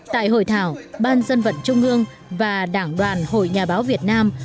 tại hội thảo ban dân vận trung ương và đảng đoàn hội nhà báo việt nam